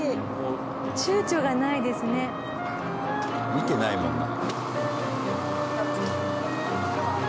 見てないもん中。